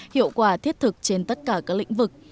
hiệu quả thiết thực trên tất cả các lĩnh vực